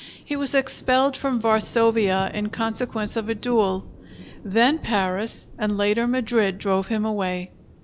He was expelled from Varsovia in consequence of a duel. Then Paris, and later Madrid, drove him away.